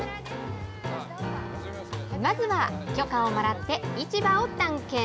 まずは許可をもらって市場を探検。